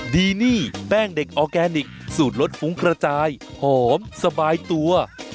ดีนี่แป้งเด็กออร์แกนิคสูตรรสฟุ้งกระจายหอมสบายตัว